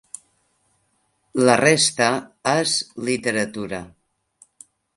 La resta és literatura...